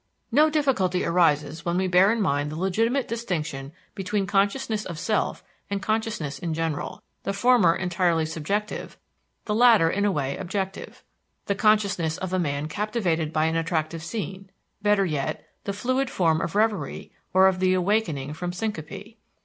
No difficulty arises when we bear in mind the legitimate distinction between consciousness of self and consciousness in general, the former entirely subjective, the latter in a way objective (the consciousness of a man captivated by an attractive scene; better yet, the fluid form of revery or of the awaking from syncope).